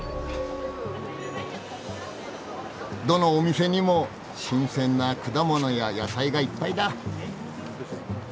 どのお店にも新鮮な果物や野菜がいっぱいだ。